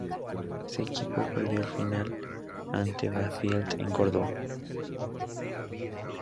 Ese equipo perdió la final ante Banfield en Córdoba.